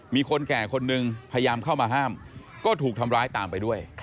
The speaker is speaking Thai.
มีคนแก่คนนึงพยายามเข้ามาห้ามก็ถูกทำร้ายตามไปด้วย